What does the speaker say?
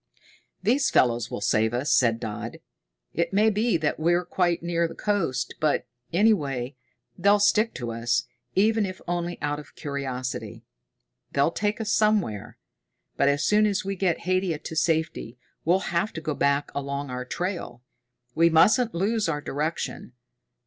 "These fellows will save us," said Dodd. "It may be that we're quite near the coast, but, any way, they'll stick to us, even if only out of curiosity. They'll take us somewhere. But as soon as we get Haidia to safety we'll have to go back along our trail. We mustn't lose our direction.